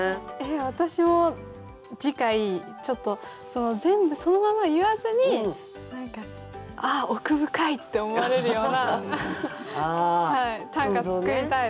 私も次回ちょっと全部そのまま言わずに何かああ奥深いって思われるような短歌作りたいです。